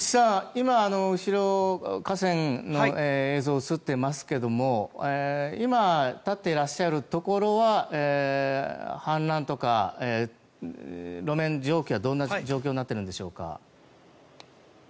今、後ろ、河川の映像が映ってますけども今、立ってらっしゃるところは氾濫とか、路面状況はどんな状況になっているんでしょうか。